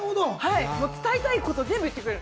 伝えたいこと、全部言ってくれる。